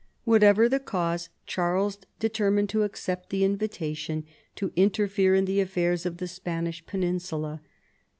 Whatever the cause, Charles determined to accept the invitation to interfere in the affairs of the Spanish peninsula.